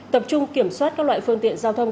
tập trung kiểm soát các loại phương tiện giao thông